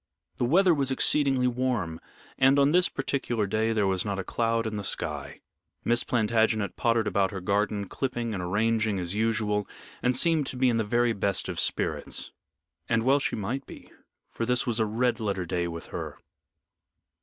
The weather was exceedingly warm, and on this particular day there was not a cloud in the sky. Miss Plantagenet pottered about her garden, clipping and arranging as usual, and seemed to be in the very best of spirits. And well she might be, for this was a red letter day with her.